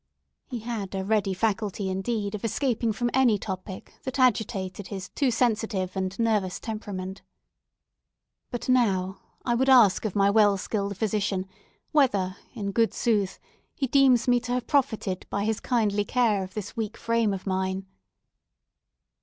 He had a ready faculty, indeed, of escaping from any topic that agitated his too sensitive and nervous temperament.—"But, now, I would ask of my well skilled physician, whether, in good sooth, he deems me to have profited by his kindly care of this weak frame of mine?"